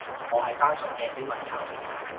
我係單純嘅小朋友